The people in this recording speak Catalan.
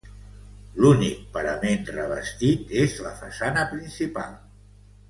L'únic parament revestit és la façana principal.